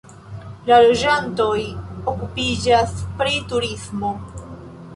La loĝantoj okupiĝas pri turismo.